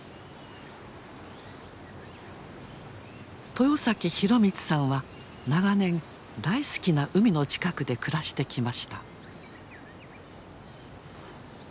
豊博光さんは長年大好きな海の近くで暮らしてきました。